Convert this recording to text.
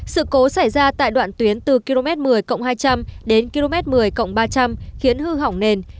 sự cố xảy ra tại đoạn tuyến từ km một mươi hai trăm linh đến km một mươi ba trăm linh khiến hư hỏng nền